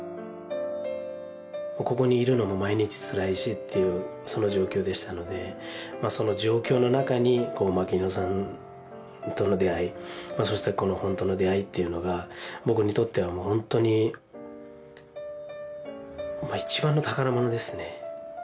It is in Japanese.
ここにいるのも毎日つらいしっていうその状況でしたのでその状況のなかに牧野さんとの出会いそしてこの本との出会いっていうのが僕にとってはもうホントに一番の宝物ですね